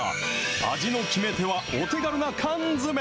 味の決め手はお手軽な缶詰。